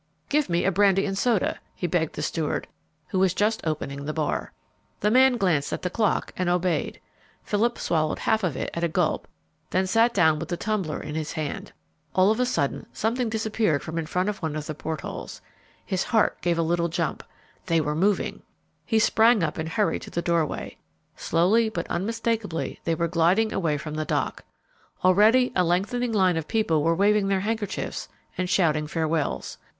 "Give me a brandy and soda," he begged the steward, who was just opening the bar. The man glanced at the clock and obeyed. Philip swallowed half of it at a gulp, then sat down with the tumbler in his hand. All of a sudden something disappeared from in front of one of the portholes. His heart gave a little jump. They were moving! He sprang up and hurried to the doorway. Slowly but unmistakably they were gliding away from the dock. Already a lengthening line of people were waving their handkerchiefs and shouting farewells.